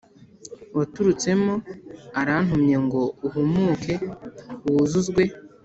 Waturutsemo arantumye ngo uhumuke wuzuzwe